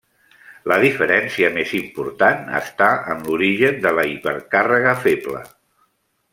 La diferència més important està en l'origen de la hipercàrrega feble.